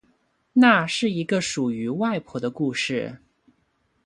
那是一个属于外婆的故事